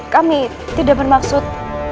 kami tidak bermaksud